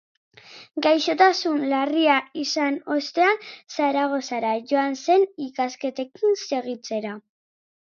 Gaixotasun larria izan ostean, Zaragozara joan zen ikasketekin segitzera